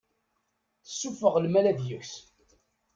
Yessufeɣ lmal ad yeks.